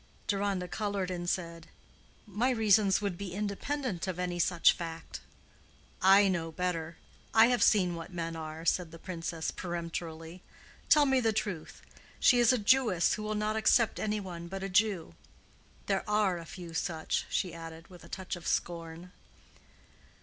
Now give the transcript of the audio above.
Deronda colored and said, "My reasons would be independent of any such fact." "I know better. I have seen what men are," said the Princess, peremptorily. "Tell me the truth. She is a Jewess who will not accept any one but a Jew. There are a few such," she added, with a touch of scorn.